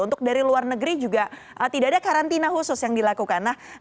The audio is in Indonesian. untuk dari luar negeri juga tidak ada karantina khusus yang dilakukan